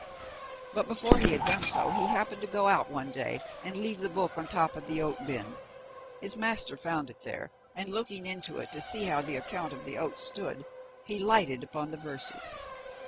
But, before he had done so, he happened to go out one day and leave the book on the top of the oat bin. His master found it there, and looking into it to see how the account of the oats stood, he lighted upon the verses.